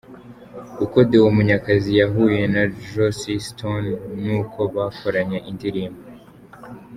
Uko Deo Munyakazi yahuye na Joss Stone n'uko bakoranye indirimbo.